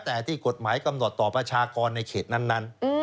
แต่ที่กฎหมายกำหนดต่อประชากรในเขตนั้น